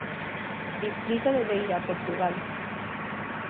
Distrito de Beira, Portugal.